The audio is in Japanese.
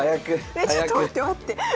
えちょっと待って待って。